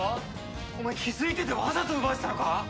お前気づいててわざと奪わせたのか！？